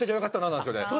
なんですよね。